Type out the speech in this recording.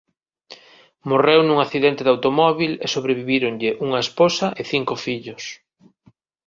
Morreu nun accidente de automóbil e sobrevivíronlle unha esposa e cinco fillos.